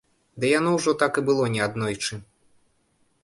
Ды яно ўжо так і было неаднойчы.